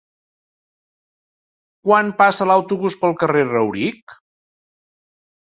Quan passa l'autobús pel carrer Rauric?